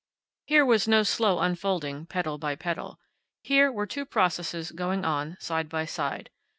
Here was no slow unfolding, petal by petal. Here were two processes going on, side by side.